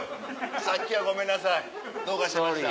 さっきはごめんなさいどうかしてました。